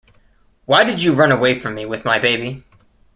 Why did you run away from me with my baby?